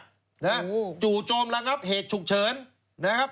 อยู่วววครับจู่โจมระงับเหตุฉุกเฉิน